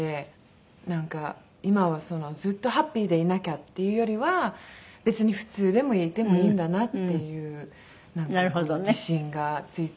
今はずっとハッピーでいなきゃっていうよりは別に普通でもいてもいいんだなっていうなんか自信がついたっていうか。